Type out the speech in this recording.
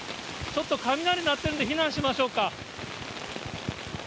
ちょっと雷鳴ってるんで避難しましょうか。